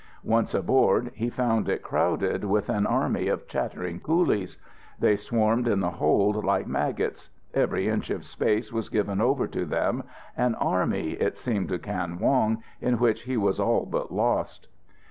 Once aboard, he found it crowded with an army of chattering coolies. They swarmed in the hold like maggots. Every inch of space was given over to them, an army, it seemed to Kan Wong, in which he was all but lost.